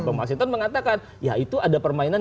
bang mas hinton mengatakan ya itu ada permainan